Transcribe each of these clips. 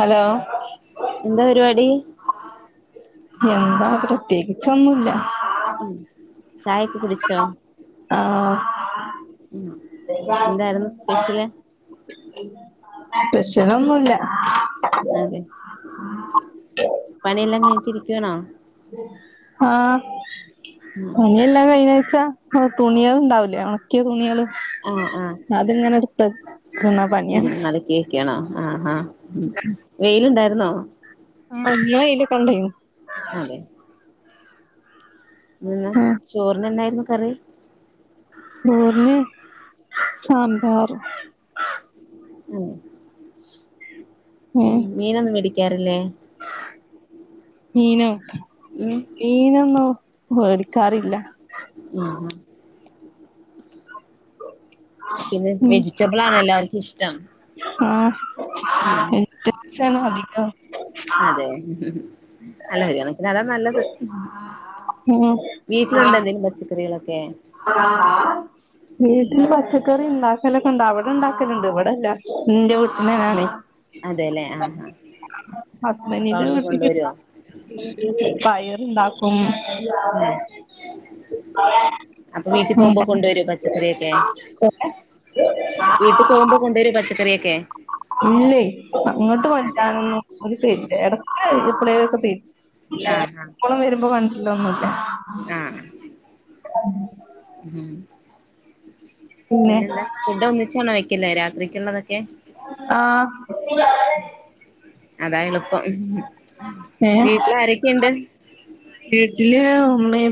Hello [inaudible] എന്താ പരിപാടി [inaudible] എന്താ പ്രത്യേകിച്ചൊന്നുമില്ല ഉം ചായ ഒക്കെ കുടിച്ചോ [inaudible] ഉം എന്തായിരുന്നു സ്പെഷ്യല് [unintelligible] [inaudible] പ്രശ്നൊന്നുല്ല അതെ [inaudible] പണിയെല്ലാം കഴിഞ്ഞിട്ടിരിക്കണോ ആഹ [inaudible] ഉം പണി എല്ലാം കഴിഞ്ഞുച്ച ആഹ തുണിയള് ഉണ്ടാവൂല്ലേ ഉണക്കിയാ തുണിയള് ആഹ് ആഹ് അതിങ്ങനെ എടുത്ത് [unintelligible] പണിയ ആഹ ആഹ വെയിലുണ്ടായിരുന്നോ [unintelligible] [inaudible] ഇന്ന് വൈല് ക്കണ്ടായിനി അതെ [inaudible] ഇന്ന് ആഹ് ചോറിന് എന്നായിരുന്നു കറി ചോറിന് സാമ്പാറ് ഉം [inaudible] ഉം മീനൊന്നും മേടിക്കാറില്ലേ മീനോ ഉം മീനൊന്നും വേടിക്കാറില്ല [inaudible] ആഹഹ [inaudible] പിന്നെ ഉം വെജിറ്റബിൾ ആണ് എല്ലാവർക്കും ഇഷ്ടം ആ ഉം [unintelligible] അതെ നല്ല [unintelligible] അതാ നല്ലത് ഉം വീട്ടിലുണ്ട എന്തെങ്കിലും പച്ചക്കറികളൊക്കെ വീട്ടില് പച്ചക്കറി ഉണ്ടാക്കലൊക്കെ ഉണ്ട് അവിടെ ഉണ്ടാക്കലുണ്ട് ഇവിടെല്ല എന്റെ വീ അതെല്ലേ ആഹ് ആഹ് അപ്പൊ ഹസ്ബൻഡിന്റെ അവിടുന്ന് കൊണ്ടുവരുവോ [unintelligible] പയർ ഇണ്ടാക്ക പ്പം ഉം [unintelligible] അപ്പൊ വീട്ടിൽ പോകുമ്പോ കൊണ്ടുവരും പച്ചക്കറിയൊക്കെ വീട്ടി പോകുമ്പോ കൊണ്ടുവരു പച്ചക്ക ഇല്ലേ അങ്ങോട്ട് അതെ കൊണ്ട്വരാനൊന്നും [unintelligible] ഇടക്ക്‌ ളൊക്കെ തിരും ആഹ് ആഹ് പോളും വരുമ്പോ കൊണ്ടെർലൊന്നുല്ല ആഹ് [unintelligible] ഉം പിന്നെ പിന്നെന്താ ഫുഡ് ഒന്നിച്ചോണാ വെക്ക്‌ന്നെ രാത്രിക്കുള്ളതൊക്കെ ആഹ് [unintelligible] അതാ എളുപ്പം ഏ വീട്ടിലാരൊക്കെയുണ്ട്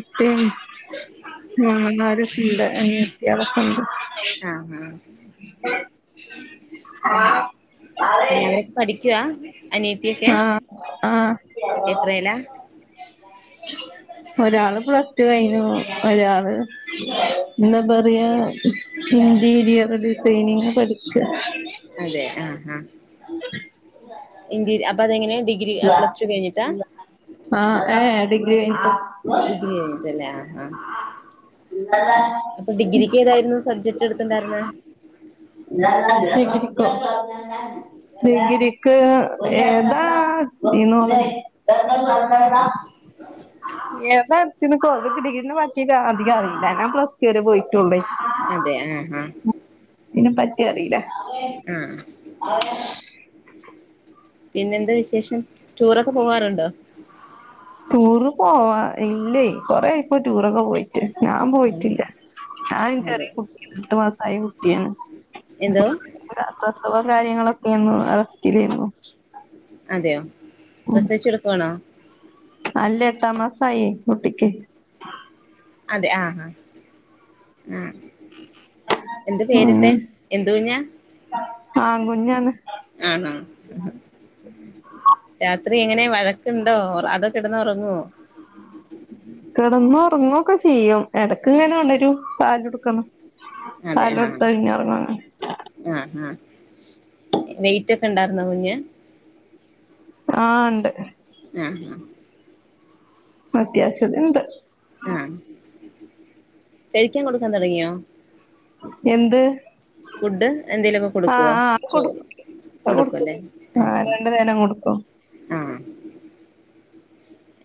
കെട്ടിയോൻ മാമൻ മാരുടെ സീടെ അനിയത്തി അവക്കെണ്ട് ആഹ് ആഹ് ഉം പിന്നെ അവരൊക്കെ പഠിക്കവാ ആഹ് ആഹ് എത്രേലാ ഒരാള് പ്ലസ്റ്റു കഴിഞ്ഞു ഒരാള് എന്തന്നാ പറയാ ഇന്റീരിയർ ഡിസൈനിങ് പഠിക്ക അതെ ആഹ് ആഹ് ഇന്റി അപ്പൊ അതെങ്ങനെയാ ഡിഗ്രി പ്ലസ്ടു കഴിഞ്ഞിട്ടാ ആഹ് ഏഹ് ഡിഗ്രി കഴിഞ്ഞിട്ട് ഡിഗ്രി കഴിഞ്ഞിട്ടല്ലേ ആഹ് ആഹ് അപ്പൊ ഡിഗ്രിക്ക് ഏതായിരുന്നു സബ്ജക്ട് എടുത്തണ്ടാരുന്നെ ഡിഗ്രിക്ക ഡിഗ്രിക്ക് ഏതാ [unintelligible] ഏതാ എടുത്തിണ് കോ ഡിഗ്രീന്ന് ബാക്കിക്ക അധികാവില്ല ഞാൻ പ്ലസ്ടു വരെ പോയി അതെ ആഹ് ആഹ് അതിനെ പറ്റി അറിയില്ല ആഹ് പിന്നെന്താ വിശേഷം ടൂറൊക്കെ പോവാറുണ്ടോ ടൂറ് പോവാ ഇല്ലേ കൊറെആയി ഇപ്പോ ടൂറൊക്കെ പോയി റ്റ് ഞാൻ പോയിറ്റില്ല ഞാൻ ഈ അതെ ചെറിയ കുട്ടികളെ ഇട്ട് എട്ടു മാസായ കുട്ട്യായാണ് എന്തോ അവാ കാര്യങ്ങളൊക്കേന്നു അറെസ്റ്റിലേന്നു അതെയോ പ്രസിച്ചെടുക്ക്വാണോ അല്ല എട്ടാം മാസായെ കുട്ടിക്ക് അതെ ആഹ് ആഹ് ആഹ് എന്ത് പേരിട്ടെ എന്ത് കുഞ്ഞാ ആൺകുഞാണ് ആണ രാത്രി എങ്ങനെ വഴക്കുണ്ടോ ഒറ അതൊ കിടന്ന് ഒറങ്ങ്വ കെടന്ന് ഒറങ്ങൊക്കെ ചെയ്യും എടക്ക്ഇങ്ങനെ ഒണരും പാല് കൊടുക്കണം അതെ ആഹ് പാലോടുത്ത പിന്നെ ഒറങ്ങും [unintelligible] [unintelligible] വെയ്റ്റൊക്കെ ഇണ്ടാരുന്നോ കുഞ്ഞ് ആഹ് ഉണ്ട് ആഹ് ആഹ് അത്യാവശ്യത്തിന് ഇണ്ട് ആഹ് കഴിക്കാൻ കൊടുക്കാൻ തൊടങ്ങിയോ എന്ത് ഫുഡ് എന്തേലൊക്കെ ആഹ് കൊടുക്ക്വോ ആഹ് അത് കൊടുക്കും ചോറ് അത് കൊടുക്കൊലെ കൊടുക്കും ആഹ് രണ്ടു നേരം കൊടുക്കും ആഹ്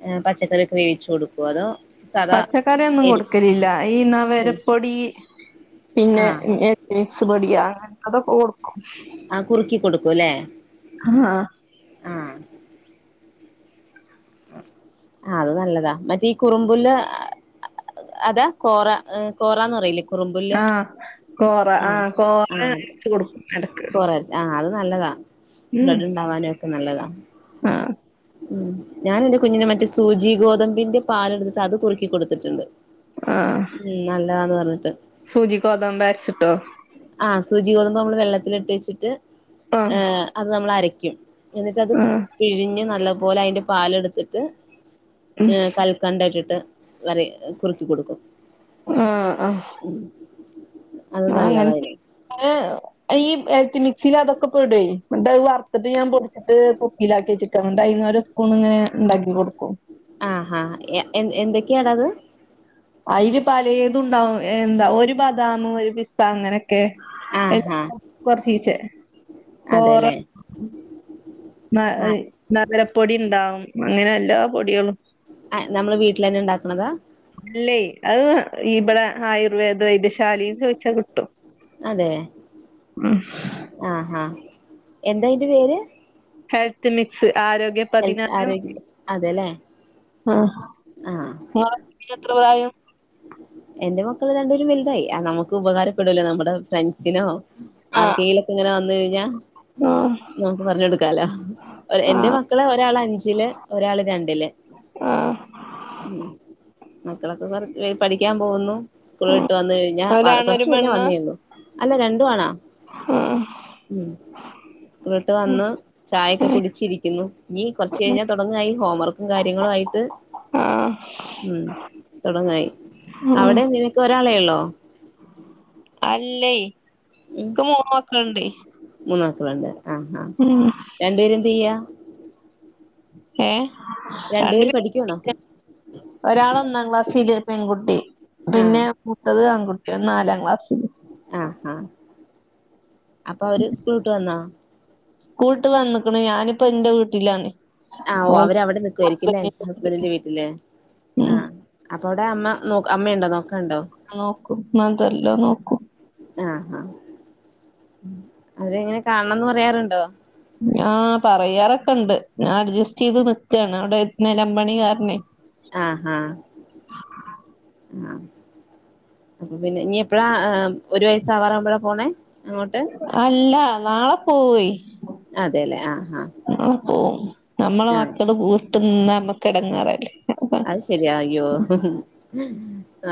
ആഹ് പച്ചക്കറിക്കെ വേവിച്ചു കൊടു ക്യാപ അതോ സാധാ പച്ചക്കറ്യന്നും എരു കൊടുക്കലില്ല ഈ ന വരപ്പൊടി പിന്നെ ആഹ് മിക്സ് പഠി അങ്ങൻത്തെതൊക്കെ കൊടുക്ക ആ കുറുക്കി കൊടുക്കുല്ലേ ആഹ് ആഹ് ആ ഹ്‌ അത് നല്ലതാ മറ്റേ കുറുമ്പുല് അതാ കോറ കോറന്ന് പറീല്ലെ കുറുമ്പറുല്ലേ ആഹ് കോറ ആ ആഹ് കോറ ആ അ അരച്ച് കൊടുക്കും ഇടക്ക് കൊറച്ച ആ അത് നല്ലതാ ഉം ബ്ലഡ് ഉണ്ടാവാനും ഒക്കെ നല്ലതാ ആഹ് ഉം ഞാൻ എറെ കുഞ്ഞിനെ മറ്റേ സൂചി ഗോതമ്പിന്റെ പാലെടുത്തിട്ട് അത് കുറുക്കിക്ക കൊടുത്തിട്ട്ണ്ട് ഉം നല്ലതാന്ന് പറ്ഞ്ഞിട്ട് സൂചിക് ഗോതമ്പ് അര് വരിച്ചിട്ടോ ആഹ് സൂചി കോതുമ്പോ നമ്മള് വെള്ളത്തിലിച്ചെട്ട് ആഹ് അത്‌ നമ്മൾ അരയ്ക്കും എന്നിട്ടത് ആഹ് പിഴിഞ്ഞ് നല്ലപോലെ അയ്ന്റെ പാല എടുത്തിട്ട് ഉം കൽക്കണ്ടട്ടിട്ട് വരെ കുറുക്കി കൊടുക്കും ആഹ് ആഹ് അത് ആ അങ്ങനെ നല്ലതായി ഈ എൽറ്റിമിക്സിൽ അതൊക്കെ പെടു എന്നത് വറുത്തിട്ട് ഞാൻ പൊടിച്ചിട്ട് കുപ്പിലാക്കി ചിക്കൻണ്ട് അ ഒരു സ്പൂൺ ഇങ്ങനെ ഉണ്ടാക്കി കൊടുക്കും ആഹ് എ എന്തൊക്കെയാട അത് അയില് പലേതുണ്ടാവും എന്താ ഒരു ബദാം ഒരു പിസ്ത അങ്ങനെ ക്കെ ആഹാ കൊറച്ചീസച്ചേ കോറ അതെല്ലേ ന ആ നഗരപ്പൊടി ഇണ്ടാവും അങ്ങനെ എല്ലാ പൊട്യേളും ആ നമ്മള് വീട്ടിൽ തന്നെ ഉണ്ടാക്കണ്താ അല്ലേ അഹ് ഇവിടെ ആയുർവേദ വൈദ്യശാല ചോയ്ച്ചാ കിട്ടും അതെ ഉം എന്തഅയ്ന്റെ പേര് ഹെൽത്ത് മിക്സ് ആരോഗ്യ ഹെൽത്ത് പതിനാറ് ആരോഗ്യ അതെല്ലേ ആ ആ എത്രായം എന്റെ മക്കൾ രണ്ടുപരും വലുതായി നമുക്ക് ഉപകാരപ്പെടൂലേ നമ്മുടെ ഫ്രണ്ട്സിനോ ആ ആർ കീഴക്കെ ഇങ്ങനെ വന്ന കഴിഞ്ഞ ആ നമുക്ക് പറഞ്ഞ കൊടുക്കാലോ ആ എന്റെ മക്കള് ഒരാള് അഞ്ചില് ഒരാള് രണ്ടില് ആ ഉം മക്കളൊക്കെ പഠിക്കാൻ പോകുന്നു സ്കൂള ഇട്ട് വന്ന കഴിഞ്ഞാ ഒരാണ് കുറച്ചു പിന്നെ വന്നേള്ളു അല്ല രണ്ടു ആണോ ആഹ ഉം സ്കൂളിട്ട് വന്ന് ചായൊക്കെ കുടിച്ചിരിക്കുന്നു ഇനി കുറച്ച കഴിഞ്ഞാൽ തുടങ്ങ ഈ ഹോംവർക്ക് കയങ്ങളയിട്ട് ആഹ് ഉ തുടങ്ങായി അവിടെ നിനക്ക് ആളെയള്ളോ അല്ലേക്ക മോക്കണ്ട് ണ്ട് ആ് ആ രണ്ടു പേര് എന്ത് ചെയ്യാ ഏ രണ്ടു പേര് പഠിക്കണോ ഒരാൾ ഒന്നാം ക്ലാസ് പെൺകുട്ടി പിന്നെ ആഹ് മുത്തത് ആൺകുട്ടി നാലാം അശ ആഹ് ആ അപ്പ അവര് സ്കൂള ഇട്ട് വന്നോ സ്കൂളിട്ട് വന്നക്കണ ഞാനിപ്പ എന്റെ വീട്ടിലാണ് ആ ഓ ഓൻ അവരവിടെ നിക്കുായിരിക്കല്ലേ. ഹസ്ബൻഡിന്റെ വീട്ടില് ആ ഉം അപ്പോവിടെ അമ്മ നോ അമ്മയുണ്ടോെ നോക്കാൻ. ആ നോക്കും അതെല്ലാം നോക്കും. ആഹ ഹ അവരെങ്ങനെ കാണണംന്ന് പറയാറുണ്ടോ? ആ പറയാറൊക്കെ ഉണ്ട് ഞാൻ അഡ്ജസ്റ്റ് ചെയ്ത് നിക്കയാണ്. അവിടെ നിലമ്പണിക്കാരനെ ആഹ ഹഹ് ആഹ അപ്പൊ പിന്നെ നീ എപ്പഴാ? ഒരു വയസ്സാവാറാവുമ്പോഴാ പോണേ. അങ്ങോട്ട് അല്ല നാളെ പോയി അതെല്ലേ ആഹ് ആഹ് അപ്പോ നമ്മളെ ആഹ് മക്കള് കൂട്ട്ന്ന നമ്മക്ക് ഇടങ്ങാറല്ലേ. അത് ശരിയാ അയ്യോ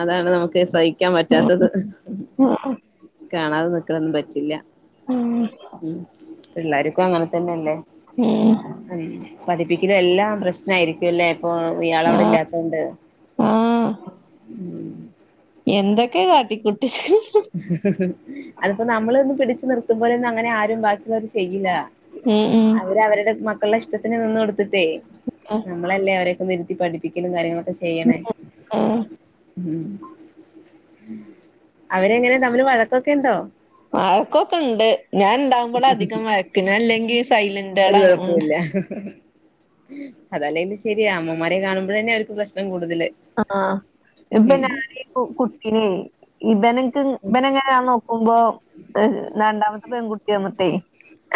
അതാണ് നമുക്ക് സൈ ഹിക്കാൻ ഉം പറ്റാത്തത്. കാണാതെ നിക്കണൊന്നും പറ്റില്ല. ഉ പിള്ളാര് അങ്ങനെ തന്നെല്ലേ ഉം ഉം പഠിപ്പി ഇത് എല്ലാം പ്രശ്നം ആരിക്കും. അല്ലേ? ഇപ്പൊ ആഹ് അല്ലാത്തൊണ്ട്. ഉം എന്തൊക്കെയ കാട്ടികു അതിപ്പോ നമ്മളെ ഒന്ന് പിടിച്ചു നിർത്തുമ്പോലെ അങ്ങനെ ആരും ബാക്കി അവര് ചെയില്ല ഉം ഉം അവര് അവരുടെ മക്കളുടെ ഇഷ്ടത്തിന് നിന്ന്കൊടു ത്തേ ആഹ് നമ്മളല്ലേ അവരൊക്കെ ഇരുത്തി പഠിപ്പിക്കലും കാര്യങ്ങളൊക്കെ ചെയ്യണേ. ആഹ് ഉ അവരെങ്ങനെ നമ്മില് വഴക്കൊക്കെ ഉണ്ടോ. വഴക്കൊക്കെ ഉണ്ട്. ഞാൻ ഉണ്ടാവുമ്പോൾ അധികം വഴക്കിന് അല്ലെങ്കിൽ സൈലൻറുകളാണ് ണ്ട് അതല്ലെങ്കും ശരിയ അമ്മമാരെ കാണുമ്പോഴന്നയാ അവർക്ക് പ്രശ്നം കൂ ആഹ ഇപ്പൊ ഞാനെ കുട്ടിന്നെ ഇതാനെ ഇവനെങ്ങനായ നോക്കുമ്പോ രണ്ടാമത്തെ പെൺകുട്ടിയന്നിട്ടേ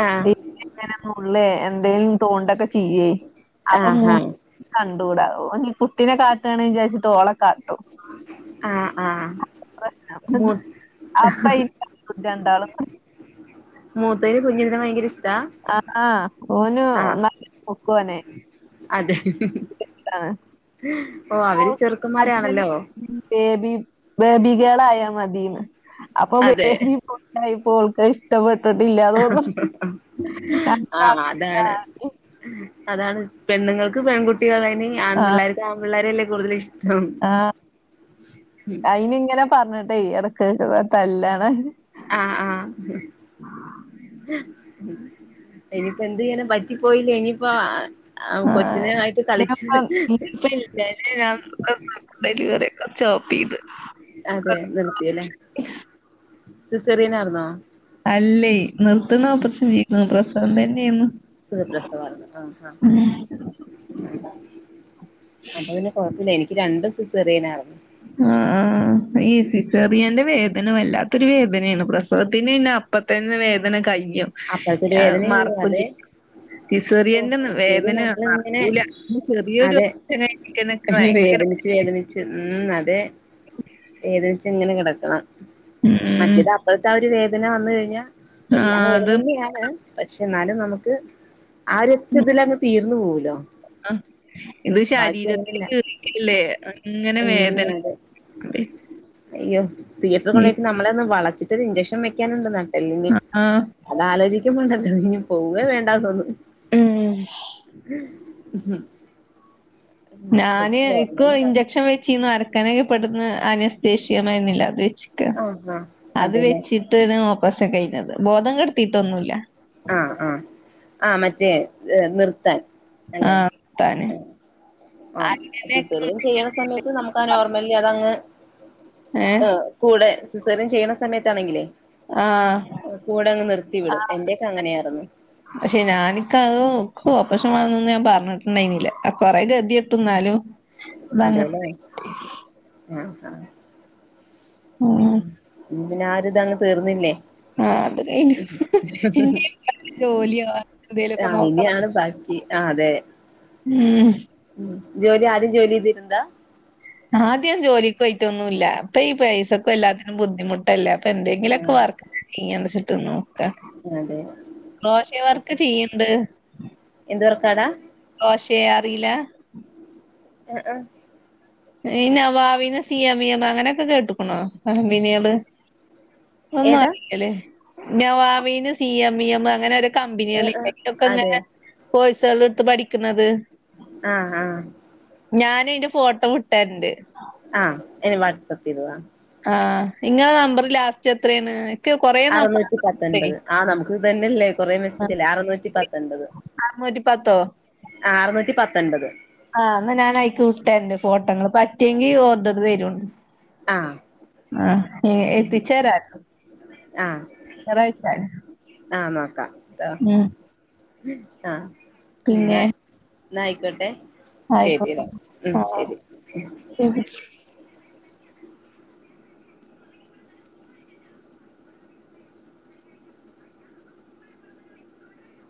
ആഹ് എങ്ങനന്നുള്ളേ എന്തേലും തോണ്ടൊക്കെ ചെയ്യേ അപ്പൊ മോ ആഹാ കണ്ടുട ഒന് കുട്ടീനെ കാട്ടുകണ് വിചാരിച്ചിട്ട് ഓളെ കാ ആഹ് ആഹ് മൂ [unintelligible] രണ്ടാള് മൂത്തതിന് കുഞ്ഞിൽ ഭയങ്കര ഇഷ്ടാ ആ ഓനു ആഹ് ന പക്കോനെ അതെ ഓ അവര് ഓള് അതിനൊരു ചെറുക്കന്മാരാണല്ലോ. ബേബി ബേബി ഗേളായാ മതീന്ന്. അപ്പൊ വേ അതെ ബി പോപ്പോക്ക ഇഷ്ടപ്പെെട്ട പെടില്ല തോന്നുണു ക ആഹ് ക അതാണ് അതാണ് പെണ്ണുങ്ങൾക്ക് പെകുട്ടികൾന് ആൺ പിള്ളേർക്ക് ആൺ പിള്ളേര് അല്ലേ കൂടുതൽ ഇഷ് ആ അയിനി ഇങ്ങനെ പറഞ്ഞിട്ടെ ഇടക്ക് തല്ലാണ്. ആ ആ ഇനിയിപ്പോ എന്ത് ചെയ്യാനാ പറ്റി പോയില്ലേ ഇനിയിപ്പോ കൊച്ചിനെ ആയിട്ട് കളിച്ച് [unintelligible] അതെ നിർത്തിയല്ലേ സിസേറിയനർന്നോ. [unintelligible] സുഖ പ്രസവാന്ന് ആ ആ ആ അപ്പൊ പിന്നെ കൊഴപ്പില്ല. എനിക്ക് രണ്ടു സിസേറിയനാ. ആ ഈ സിസേറിയൻ്റെ വേദ [unintelligible] വേദന വല്ലാത്തൊരു വേദനയാണ് പ്രസവത്തിന് പിന്നെ അപ്പത്തന്നെ വേദന കഴിയും. അപ്പഴത്തെ ഒരു വേദനയുള്ളൂ മറക്കും അതെ ചെയ്യും. ഓഹ് സിസേറിയന്റെ മറ്റേത് വേദന നമ്മളിങ്ങനെ മറക്കൂല. ചെറിയൊരു അതെ വേ ദ ന ക്കെ ഭയങ്കര വേദനിച്ച് വേദനിച്ച് ഉം അതേ വേദനിച്ച് ഇങ്ങനെ കിടക്കണം. ഉം. മറ്റേത് അപ്പഴത്തെ ഒരു വേദ [unintelligible] ഇങ്ങനെ വന്ന് കഴിഞ്ഞാ ആ, എല്ലാം വേദന അത് തന്നെയാണ്. പക്ഷെ എന്നാലും നമുക്ക് ആരൊറ്റ ഇതില അങ്ങ് തീർന്നു പോവലോ ആ ഇത് ശരീരത്തി തീർല്ലേ അങ്ങനെ ഉം വേദന അതെ അതേ അയ്യോ തിയേറ്ററിൽ കൊണ്ടു പോയിട്ട് നമ്മളെന്ന് വളച്ചിട്ട് ഒരു ഇഞ്ചക്ഷൻ വെക്കാനുണ്ട് നട്ടെല്ലിന് ആ ആലോചിക്കണ്ടല്ലോ ഇനി പോവ വേണ്ടന്നോന്നു ഉം ഉഹ ഞാന് ഇപ്പോ ഇഞ്ചെക്ഷൻ വെച്ച്ന്ന് അരക്കാനൊക്കെ പെടുന്ന അനസ്തേഷീമായിന്നില്ല അത് വെ [unintelligible] ആഹ് ആഹ് അത് അതെല്ലേ വെച്ചിട്ട് ഓപ്പസൻ കഴിഞ്ഞത് ബോധം കെടത്തിയിട്ടൊന്നുമല്ല ആഹ് ആഹ് [unintelligible] നിർത്താൻ അല്ലെ ആഹ് താനെ ആ സിസറിയം ചെയ്യണ സമയത്ത് നമുക്ക് ആ നോർമലി അതങ്ങ് ഏഹ് ആ കൂടെ സിസേറിയൻ ചെയ്യണ സമയത്താണെങ്കിലേ ആഹ് കൂടെങ്ങ് നിർത്തി വിടും എന്റെയക്കെ അങ്ങനെയായിരുന്നു പക്ഷെ ഞാനിക്ക നോക്കും [unintelligible] ഞാൻ പറഞ്ഞിട്ടുണ്ടായിരുന്നില്ല കൊറെ ഗതി ഇട്ട് എന്നാലും അതെല്ലേ [unintelligible] ആഹ് ആഹ് പിന്നെ ആരു ഇതാണ്ങ് തീർന്നില്ലേ ആ അത് [unintelligible] ജോലിയ എന്തല ഇപ്പ ആഹ് നോക്കണം ഇനിയാണ് [unintelligible] ആ അതെ ഉം ജോലി ആരും ജോലി ചെയ്തിട്ടന്താ [unintelligible] അപ്പൊ ഈ പൈസൊക്കെ എല്ലാത്തിനും ബുദ്ധിമുട്ടല്ല അപ്പൊ എന്തെങ്കിലുമൊക്കെ വർക്ക ചെയ്യെച്ചിട്ടന്നോ അതെ [unintelligible] വർക്ക് ചെയ്യണ്ട് എന്ത്വർക്കാടാ ചെയേ അറില ആ ആ ന വവിന സിയമിയമ അങ്ങനെയൊക്കെ കേട്ടക്കണോമ്പനീട് ഒന്നും ഏതാ അറല്ലേ നവാബിന് സി എം ഇ എം അങ്ങനെ ആഹ് ആഹ് കമ്പനികൾല്ലൊക്കെ അതെ അങ്ങനെ പോഴസക എടുത്ത് പഠിക്കുന്നത് ആഹ് ആഹ് ഞൻ അതിന്റെ ഫോട്ടോ വിട്ടാനുണ്ട് ആ ഇനി വാട്സആപ്പ് ചെയ്തുവാ ആ നിങ്ങളെ നമ്പർ ലാസ്റ്റ് എത്രയാണ് അറുന്നൂറ്റി പത്തൊൻപത് ആ നമുക്ക് ഇത്തന്നെയല്ലേ കൊറെേ മെസ്സേജ അല്ലേ അറുന്നൂറ്റി പത്തൊൻപത് ആ മ പ ആറനൂറ്റി പത്ത് ആഹ് എന്നാ ഞാൻയിക്ക വിട്ടേണ്ട് ഫോട്ടോങ്ങൾ പറ്റിയെങ്കി ഓർതത് വരുുംണ്ട് ആഹ് ആഹ പചർ ആ ആമാ ഉം ആഎന്ന പിന്നെ എന്ന ആയിക്കോട്ടെ ആയിക്കോട്ടെ ശരിടാ ഉം ആ ശരി ശരി